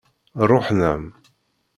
Ṛuḥen-am.